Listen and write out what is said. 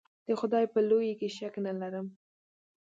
د خدای په لویي کې شک نه ارم.